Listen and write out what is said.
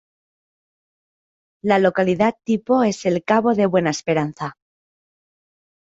La localidad tipo es el Cabo de Buena Esperanza.